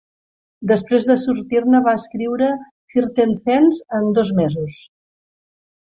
Després de sortir-ne, va escriure "Thirteen Cents" en dos mesos.